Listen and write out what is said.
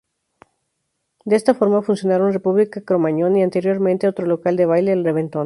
De esta forma funcionaron República Cromañón y, anteriormente, otro local de baile: El Reventón.